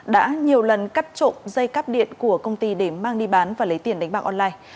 đã nhiều lần cắt trộm dây cắp điện của công ty để mang đi bán và lấy tiền đánh bạc online